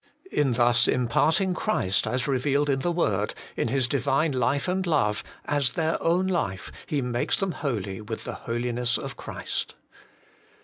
In thus imparting Christ as revealed in the word, in His Divine life and love, as their own life, He makes them holy with the holiness of Christ.